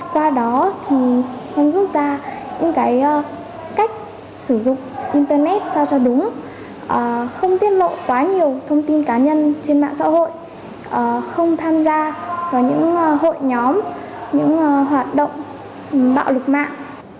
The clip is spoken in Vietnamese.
qua đó thì không rút ra những cái cách sử dụng internet sao cho đúng không tiết lộ quá nhiều thông tin cá nhân trên mạng xã hội không tham gia vào những hội nhóm những hoạt động bạo lực mạng